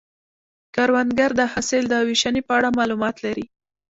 کروندګر د حاصل د ویشنې په اړه معلومات لري